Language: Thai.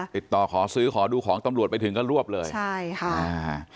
ติดต่อขอซื้อขอดูของตำรวจไปถึงก็รวบเลยใช่ค่ะอ่า